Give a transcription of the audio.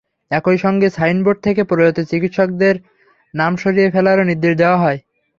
একই সঙ্গে সাইনবোর্ড থেকে প্রয়াত চিকিৎসকের নাম সরিয়ে ফেলারও নির্দেশ দেওয়া হয়।